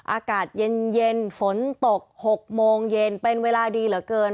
อากาศเย็นฝนตก๖โมงเย็นเป็นเวลาดีเหลือเกิน